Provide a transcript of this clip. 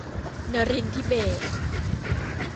นรินทร์ธิเบศร์